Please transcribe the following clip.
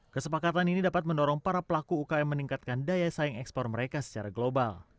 kesepakatan ini dapat mendorong para pelaku ukm meningkatkan daya saing ekspor mereka secara global